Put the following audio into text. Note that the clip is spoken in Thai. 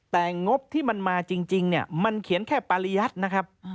แต่งบที่มันมาจริงเนี่ยมันเขียนแค่ปริยัตินะครับ